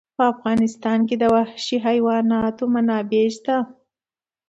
په افغانستان کې د وحشي حیوانات منابع شته.